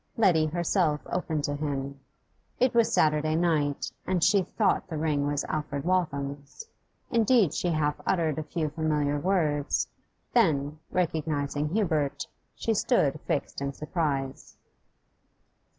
Letty herself opened to him. It was Saturday night, and she thought the ring was Alfred Waltham's. Indeed she half uttered a few familiar words; then, recognising Hubert, she stood fixed in surprise.